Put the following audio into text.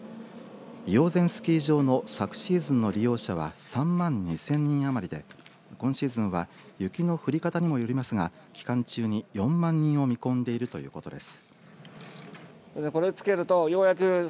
医王山スキー場の昨シーズンの利用者は３万２０００人余りで今シーズンは雪の降り方にもよりますが期間中に４万人を見込んでいるということです。